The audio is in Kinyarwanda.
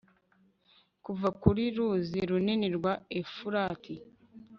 kuva ku ruzi runini rwa efurati